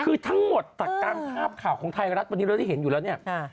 คือทั้งหมดจากการภาพข่าวของไทยรัฐวันนี้เราได้เห็นอยู่แล้วเนี่ย